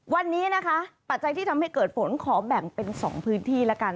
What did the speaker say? วันนี้นะคะปัจจัยที่ทำให้เกิดฝนขอแบ่งเป็น๒พื้นที่แล้วกัน